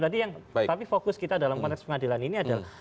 tapi fokus kita dalam konteks pengadilan ini adalah